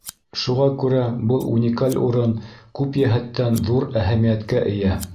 Шуға күрә был уникаль урын күп йәһәттән ҙур әһәмиәткә эйә.